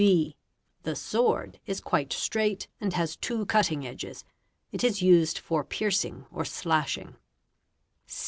_ (b) The sword is quite straight and has two cutting edges; it is = A | EME: OT = used for piercing or slashing.